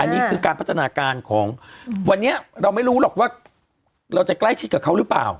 อันนี้คือการพัฒนาการของวันนี้เราไม่รู้หรอกว่าเราจะใกล้ชิดกับเขาหรือเปล่า